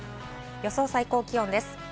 予想最高気温です。